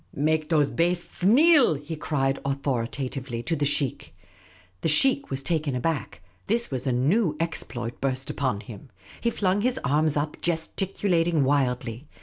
" Make those bastes kneel !" he cried authoritatively to the sheikh. The sheikh was taken aback. This was a new exploit burst upon him. He flung his arms up, gesticulating wildly.